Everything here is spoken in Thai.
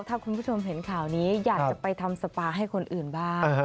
ถ้าคุณผู้ชมเห็นข่าวนี้อยากจะไปทำสปาให้คนอื่นบ้าง